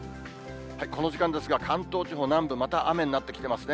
この時間ですが、関東地方南部、また雨になってきてますね。